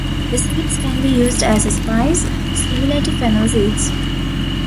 The seeds can be used as a spice, similar to fennel seeds.